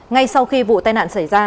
ngay sau khi vụ tai nạn xảy ra